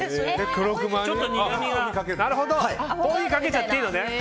かけちゃっていいのね。